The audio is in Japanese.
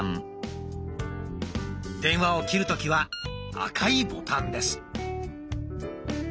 電話を切る時は赤いボタンです。